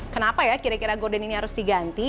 kenapa ya kira kira gorden ini harus diganti